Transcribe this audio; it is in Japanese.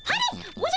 おじゃ。